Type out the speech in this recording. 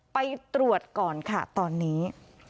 ไปตรวจก่อนค่ะตอนนี้